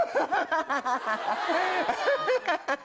ウハハハハ！